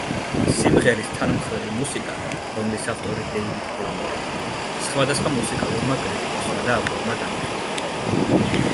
სიმღერის თანმხლები მუსიკა, რომლის ავტორი დეივიდ გილმორი, სხვადასხვა მუსიკალურმა კრიტიკოსმა და ავტორმა განიხილა.